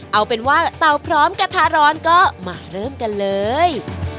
เอาเป็นว่าเตาพร้อมกระทะร้อนก็มาเริ่มกันเลย